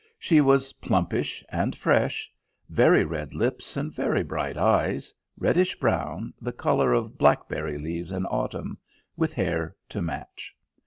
She was plumpish and fresh: very red lips and very bright eyes, reddish brown, the colour of blackberry leaves in autumn, with hair to match.